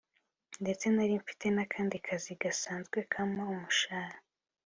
ndetse nari mfite n’akandi kazi gasanzwe kampa umushara